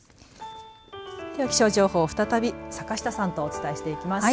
では、気象情報、再び坂下さんとお伝えしていきます。